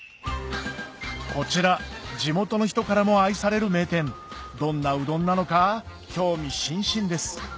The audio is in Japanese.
こちら地元の人からも愛される名店どんなうどんなのか興味津々です